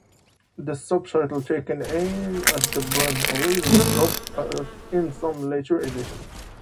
The subtitle, "Taking Aim at the Brand Bullies", was dropped in some later editions.